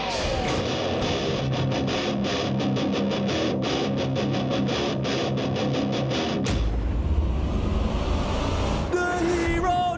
สวัสดีครับทุกคน